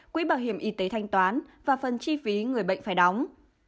quỹ bảo hiểm y tế thanh toán và phần chi phí người bệnh phải đóng